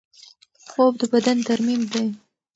خوب د بدن ترمیم دی.